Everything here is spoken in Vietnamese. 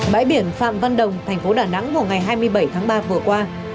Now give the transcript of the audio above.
bãi biển phạm văn đồng thành phố đà nẵng vào ngày hai mươi bảy tháng ba vừa qua